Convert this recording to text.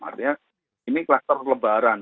artinya ini klaster lebaran